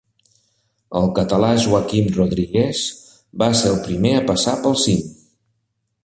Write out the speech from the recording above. El català Joaquim Rodríguez va ser el primer a passar pel cim.